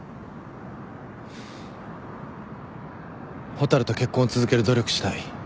蛍と結婚を続ける努力したい。